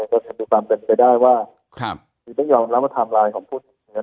ก็จะมีความเป็นไปได้ว่าที่ได้ยอมรับว่าไทม์ไลน์ของผู้จริง